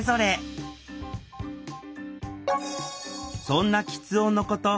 そんなきつ音のこと